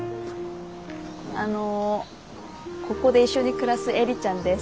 あのここで一緒に暮らす映里ちゃんです。